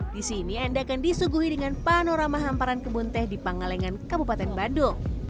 di sini anda akan disuguhi dengan panorama hamparan kebun teh di pangalengan kabupaten bandung